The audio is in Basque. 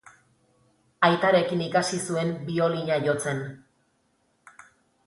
Aitarekin ikasi zuen biolina jotzen.